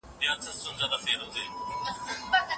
ټول زده کوونکي په خپلو خپلو څوکیو کیناستل.